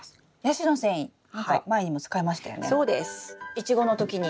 イチゴの時に。